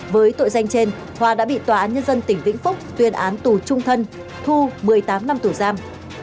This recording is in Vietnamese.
với tội danh trên hòa đã bị tòa án nhân dân tỉnh vĩnh phúc tuyên án tù trung thân thu một mươi tám năm tù giam